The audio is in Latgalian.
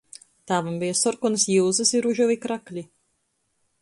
Tāvam beja sorkonys iuzys i ružovi krakli.